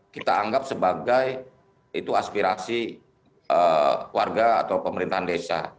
kita anggap sebagai itu aspirasi warga atau pemerintahan desa